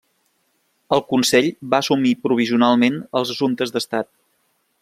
El Consell va assumir provisionalment els assumptes d'Estat.